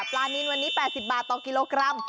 ปลานินวันนี้๘๐บาทต่อกิโลกรัม